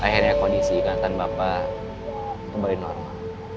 akhirnya kondisi ikatan bapak kembali normal